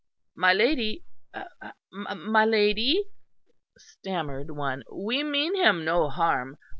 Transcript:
"My lady, my lady," stammered one, "we mean him no harm.